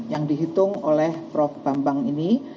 yang dihitung oleh prof bambang ini